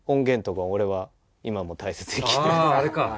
あああれか！